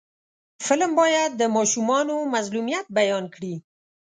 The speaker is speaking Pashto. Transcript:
فلم باید د ماشومانو مظلومیت بیان کړي